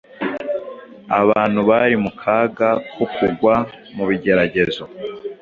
Abantu bari mu kaga ko kugwa mu bigeragezo